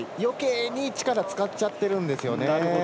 よけいに力使っちゃってるんですよね。